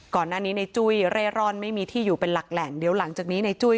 ก่อนหน้านี้ในจุ้ยเร่ร่อนไม่มีที่อยู่เป็นหลักแหล่งเดี๋ยวหลังจากนี้ในจุ้ย